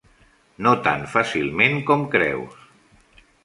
No tan fàcilment com creus.